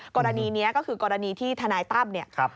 กรณีนี้ก็คือกรณีที่ทนายตั๊บ